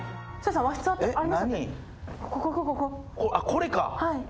これか。